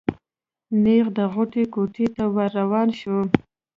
نېغ د غوټۍ کوټې ته ور روان شو.